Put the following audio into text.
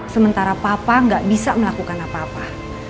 sementara papa nggak bisa melakukan apa apa